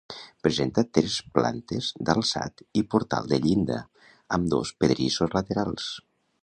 Presenta tres plantes d’alçat i portal de llinda, amb dos pedrissos laterals.